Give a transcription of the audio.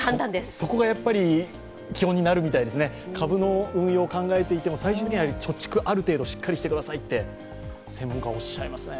そこがやっぱり肝になるみたいですね、株の運用を考えていても最終的には貯蓄をある程度しっかりしてくださいと専門家はおっしゃいますね。